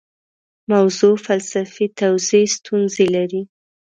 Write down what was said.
موضوع فلسفي توضیح ستونزې لري.